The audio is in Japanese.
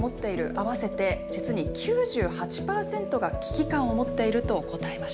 合わせて実に９８％が危機感を持っていると答えました。